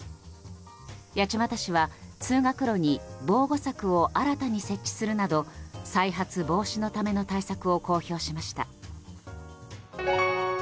八街市は通学路に防護柵を新たに設置するなど再発防止のための対策を公表しました。